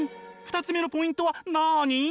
２つ目のポイントは何？